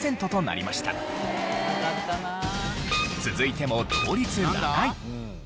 続いても同率７位。